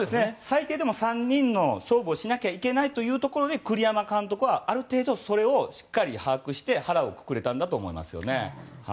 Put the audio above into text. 最低でも３人と勝負しないといけないので栗山監督はある程度それをしっかり把握して腹をくくれたんだと思います。